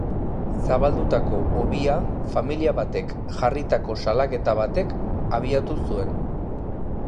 Zabaldutako hobia familia batek jarritako salaketa batek abiatu zuen.